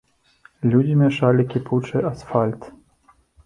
Людзі мяшалі кіпучы асфальт.